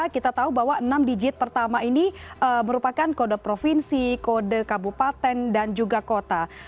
kita tahu bahwa enam digit pertama ini merupakan kode provinsi kode kabupaten dan juga kota